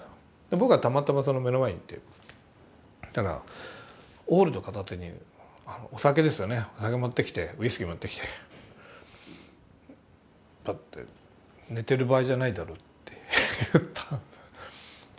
僕がたまたまその目の前にいてそしたらオールド片手にお酒ですよねお酒持ってきてウイスキー持ってきてパッて「寝てる場合じゃないだろ」って言ったんです。